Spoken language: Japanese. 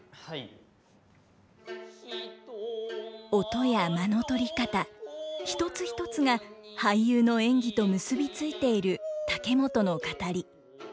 音や間の取り方一つ一つが俳優の演技と結び付いている竹本の語り。